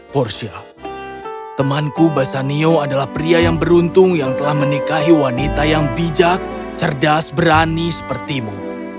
porsya temanku basanio adalah pria yang beruntung yang telah menikahi wanita yang bijak cerdas berani sepertimu